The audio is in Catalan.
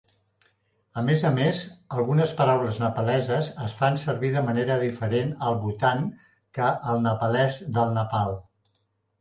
A més a més, algunes paraules nepaleses es fan servir de manera diferent al Bhutan que al nepalès del Nepal.